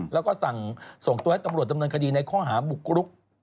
แล้วก็สั่งส่งตัวให้ตำรวจดำเนินคดีในข้อหาบุกรุก